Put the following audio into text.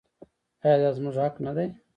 آیا دا زموږ حق نه دی؟